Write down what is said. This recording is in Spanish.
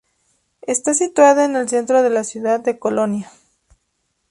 Está situada en el centro de la ciudad de Colonia.